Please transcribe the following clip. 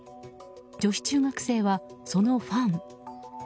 女子中学生は、そのファン。